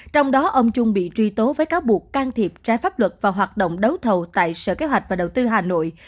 trong đó ông trung bị truy tố với cáo buộc can thiệp trái pháp luật vào hoạt động đấu thầu tại sở kế hoạch và đầu tư hà nội